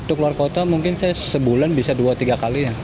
untuk keluar kota mungkin saya sebulan bisa dua tiga kali ya